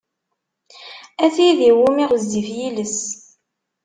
A tid iwumi ɣezzif yiles!